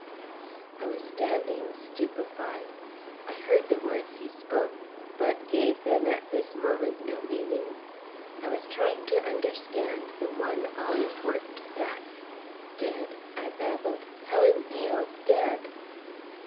I was standing stupefied. I heard the words he spoke, but gave them at this moment no meaning. I was trying to understand the one all important fact. "Dead!" I babbled. "Helen Mayle dead!"